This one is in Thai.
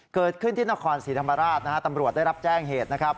เกิดขึ้นที่นครศรีธรรมราชนะฮะตำรวจได้รับแจ้งเหตุนะครับ